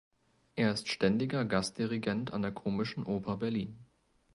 Er ist ständiger Gastdirigent an der Komischen Oper Berlin.